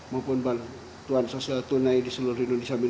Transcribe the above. maupun bantuan sosial tunai di seluruh indonesia